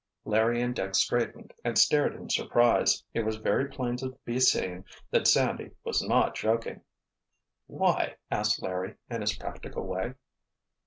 Larry and Dick straightened and stared in surprise. It was very plain to be seen that Sandy was not joking. "Why?" asked Larry, in his practical way.